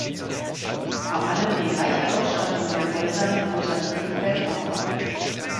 Vor allem die reiche Ausstattung der Häuser mit Mosaiken fällt auf.